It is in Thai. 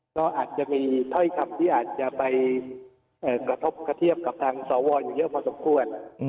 ก็อาจจะมีถ้อยคำที่อาจจะไปกระทบกระเทียบกับทางสวอยู่เยอะพอสมควร